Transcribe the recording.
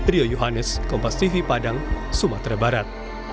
rio yohanes kompas tv padang sumatera barat